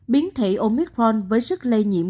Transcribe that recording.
biến thể omicron với sức lây nhiễm